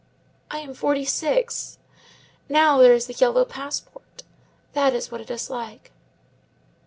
I am forty six. Now there is the yellow passport. That is what it is like."